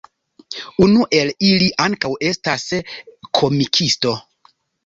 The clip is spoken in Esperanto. Unu el ili ankaŭ estas komikisto.